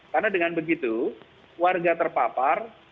karena dengan begitu warga terpapar